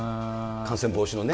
感染防止の。